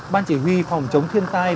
ban chỉ huy phòng chống thiên tai